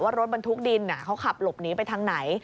รถบรรทุกดินเขาขับหลบหนีไปทางไหน